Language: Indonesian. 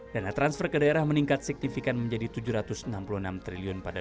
dana transfer ke daerah meningkat signifikan menjadi rp tujuh ratus enam puluh enam triliun pada dua ribu dua puluh